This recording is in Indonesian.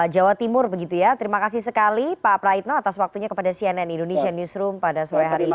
jawa timur begitu ya terima kasih sekali pak praitno atas waktunya kepada cnn indonesia newsroom pada sore hari ini